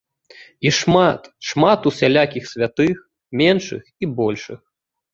І шмат, шмат усялякіх святых, меншых і большых!